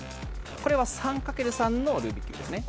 これは３×３のルービックキューブですね。